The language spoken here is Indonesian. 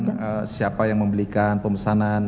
kemudian siapa yang membelikan pemesanan